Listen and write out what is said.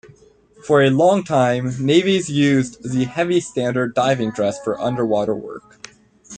For a long time navies used the heavy standard diving dress for underwater work.